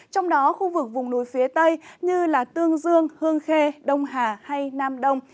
trong đó khu vực vùng núi phía tây như tương dương hương khê đông hà hay nam đông